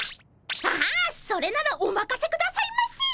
ああそれならおまかせくださいませ！